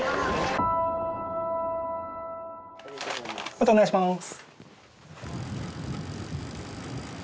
・またお願いします。